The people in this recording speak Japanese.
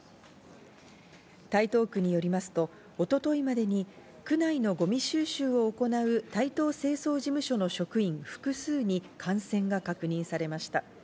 台東区によりますと、一昨日までに区内のごみ収集を行う、台東清掃事務所の職員複数に感染が確認されました。